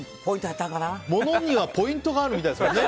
ものにはポイントがあるみたいですからね。